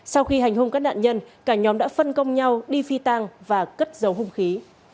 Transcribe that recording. sau khi hành hung các nạn nhân cả nhóm đã phân công nhau đi phi tàng và cất dấu hung khí